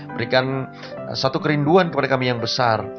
berikan satu kerinduan kepada kami yang besar